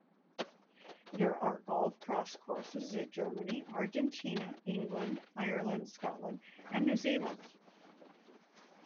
There are GolfCross courses in Germany, Argentina, England, Ireland, Scotland and New Zealand.